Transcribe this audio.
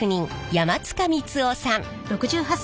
山塚光雄さん。